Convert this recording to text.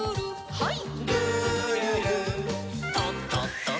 はい。